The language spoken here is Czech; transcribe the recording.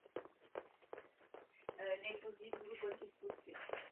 Mezi těmito lesy a městem je především zemědělská půda.